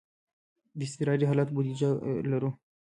د اضطراري حالت بودیجه لرو؟